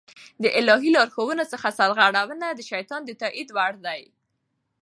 د الهي لارښوونو څخه سرغړونه د شيطان د تائيد وړ ده